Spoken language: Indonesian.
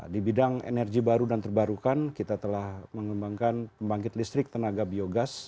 di bidang energi baru dan terbarukan kita telah mengembangkan pembangkit listrik tenaga biogas